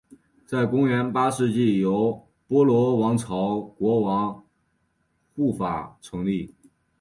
在公元八世纪由波罗王朝国王护法成立。